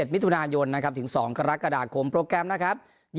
มิถุนายนนะครับถึง๒กรกฎาคมโปรแกรมนะครับ